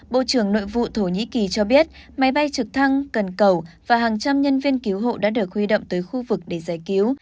bộ trưởng nội vụ thổ nhĩ kỳ cho biết máy bay trực thăng cần cầu và hàng trăm nhân viên cứu hộ đã được huy động tới khu vực để giải cứu